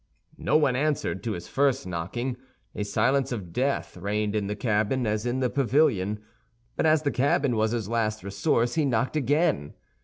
No one answered to his first knocking. A silence of death reigned in the cabin as in the pavilion; but as the cabin was his last resource, he knocked again.